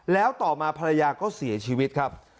แล้วต่อมาภรรยาก็เสียชีวิตครับ